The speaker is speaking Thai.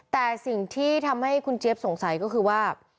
แต่สิ่งที่ทำให้คุณเจี๊ยบสงสัยก็คือว่า